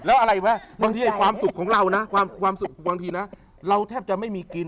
แล้วอะไรวะบางทีความสุขของเรานะความสุขบางทีนะเราแทบจะไม่มีกิน